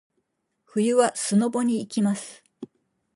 冬はスノボに行きます。